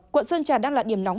quận sơn trà đang là điểm nóng